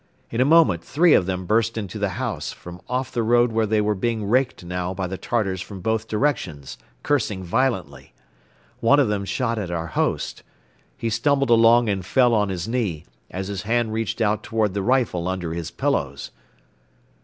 In a moment three of them burst into the house, from off the road where they were being raked now by the Tartars from both directions, cursing violently. One of them shot at our host. He stumbled along and fell on his knee, as his hand reached out toward the rifle under his pillows.